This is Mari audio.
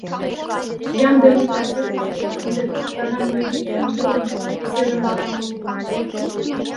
«Ямде лий!» газетыште ынде кок гана мый дечем йодын серымыдам лудым.